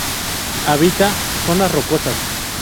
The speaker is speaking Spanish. Habita zonas rocosas.